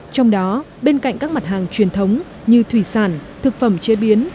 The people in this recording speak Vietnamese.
trong đó bên cạnh các mặt hàng truyền thống như thủy sản thực phẩm chế biến